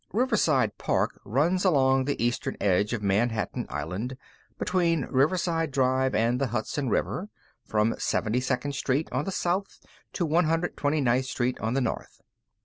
Riverside Park runs along the eastern edge of Manhattan Island, between Riverside Drive and the Hudson River, from 72nd Street on the south to 129th Street on the north.